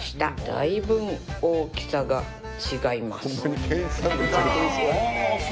だいぶん大きさが違います。